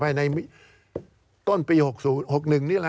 การเลือกตั้งครั้งนี้แน่